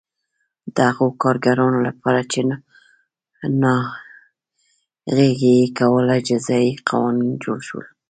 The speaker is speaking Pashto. د هغو کارګرانو لپاره چې ناغېړي یې کوله جزايي قوانین جوړ شول